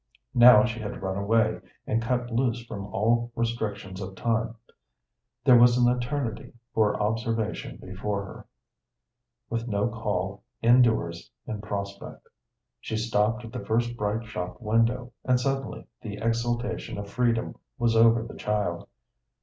Now she had run away and cut loose from all restrictions of time; there was an eternity for observation before her, with no call in doors in prospect. She stopped at the first bright shop window, and suddenly the exultation of freedom was over the child.